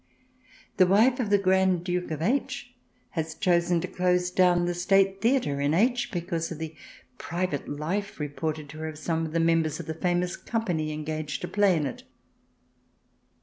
The wife of the Grand Duke of H. has chosen to close down the State Theatre in H. because of the private life, reported to her, of some of the members of the famous company engaged to play in it